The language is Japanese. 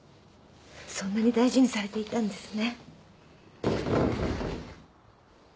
そんなに大事にされていたんですね。